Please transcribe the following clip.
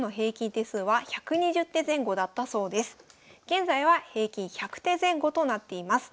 現在は平均１００手前後となっています。